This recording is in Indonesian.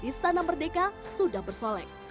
istana merdeka sudah bersolek